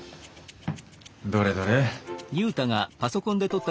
どれどれ。